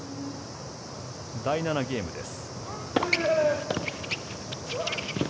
第７ゲームです。